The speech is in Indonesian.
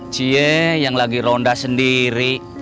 cie yang lagi ronda sendiri